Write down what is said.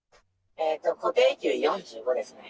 固定給４５ですね。